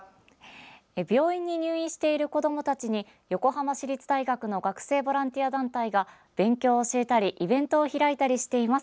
病院に入院している子どもたちに横浜市立大学の学生ボランティア団体が勉強を教えたりイベントを開いたりしています。